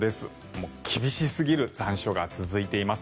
もう厳しすぎる残暑が続いています。